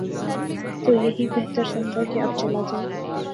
تو یہی بہتر سمجھا کہ اب چلا جائے۔